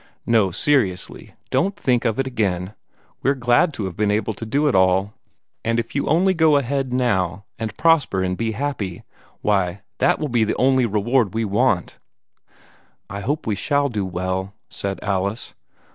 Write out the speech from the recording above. No, seriously, don't think of it again. We're glad to have been able to do it all; and if you only go ahead now, and prosper and be happy, why, that will be the only reward we want." "I hope we shall do well," said Alice.